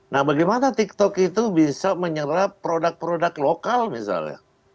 nah bagaimana tiktok itu bisa menyerap produk produk lokal misalnya